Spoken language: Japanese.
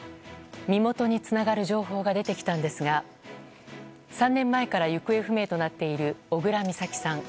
身元につながる情報が出てきたんですが３年前から行方不明となっている小倉美咲さん。